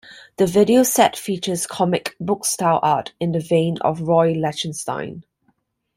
The video's set features comic book-style art in the vein of Roy Lichtenstein.